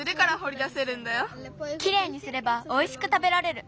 きれいにすればおいしくたべられる。